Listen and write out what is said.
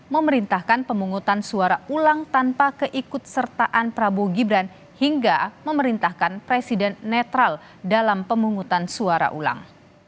memerintahkan pemungutan suara ulang tanpa keikut sertaan prabowo gibran hingga memerintahkan presiden netral dalam pemungutan suara ulang